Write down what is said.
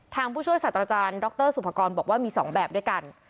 ทางผู้ช่วยสัตว์อาจารย์ด็อกเตอร์สุภากรบอกว่ามีสองแบบด้วยกัน